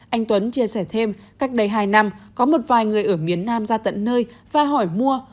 anh tuấn chia sẻ thêm cách đây hai năm có một vài người ở miền nam ra tận nơi và hỏi mua